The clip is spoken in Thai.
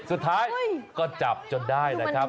สุดท้ายก็จับจนได้นะครับ